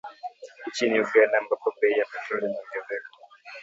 Nchini Uganda, ambapo bei ya petroli imeongezeka